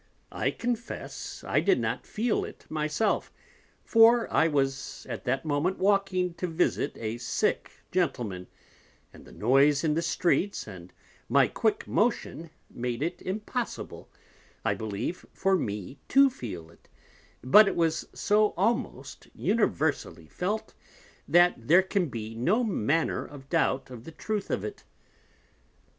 I confess I did not feel it my self; for I was at that moment walking to visit a sick Gentleman, and the Noise in the Streets, and my quick Motion, made it impossible, I believe, for me to feel it: but it was so almost universally felt, that there can be no manner of doubt of the Truth of it.